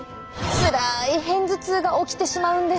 つらい片頭痛が起きてしまうんです。